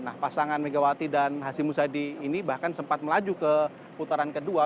nah pasangan megawati dan hashim musadi ini bahkan sempat melaju ke putaran kedua